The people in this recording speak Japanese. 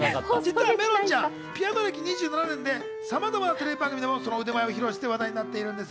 実はめろんちゃん、ピアノ歴２７年でさまざまなテレビ番組でもその腕前を披露して話題になっているんです。